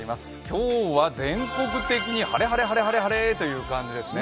今日は全国的に晴れ、晴れ、晴れという感じですね。